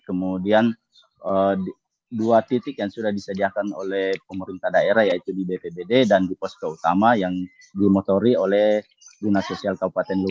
kemudian dua titik yang sudah disediakan oleh pemerintah daerah yaitu di bpbd dan di posko utama yang dimotori oleh dinas sosial kabupaten